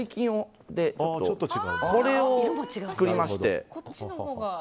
これを作りまして。